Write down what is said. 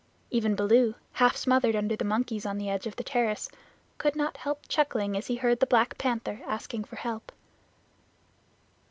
Even Baloo, half smothered under the monkeys on the edge of the terrace, could not help chuckling as he heard the Black Panther asking for help.